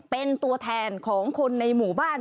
เป็นตัวแทนของคนในหมู่บ้าน